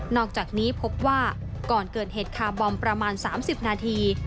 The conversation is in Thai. อกจากนี้พบว่าก่อนเกิดเหตุคาร์บอมประมาณ๓๐นาที